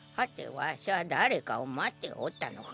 わしは誰かを待っておったのか？